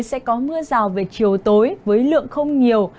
sẽ có mưa rào về chiều tối với lượng không nhiều